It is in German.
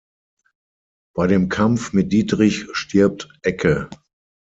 Bei dem Kampf mit Dietrich stirbt Ecke.